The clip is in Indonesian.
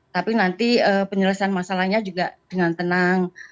tapi nanti penyelesaian masalahnya juga dengan tenang